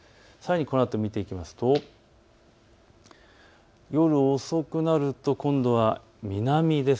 このあとさらに見ていきますと夜遅くなると今度は南です。